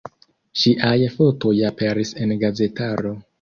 Ŝiaj fotoj aperis en gazetaro.